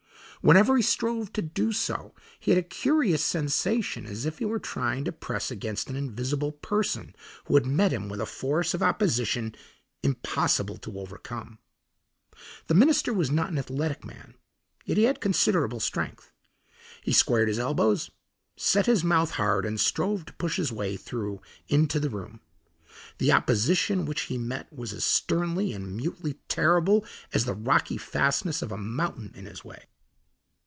Whenever he strove to do so he had a curious sensation as if he were trying to press against an invisible person who met him with a force of opposition impossible to overcome. The minister was not an athletic man, yet he had considerable strength. He squared his elbows, set his mouth hard, and strove to push his way through into the room. The opposition which he met was as sternly and mutely terrible as the rocky fastness of a mountain in his way.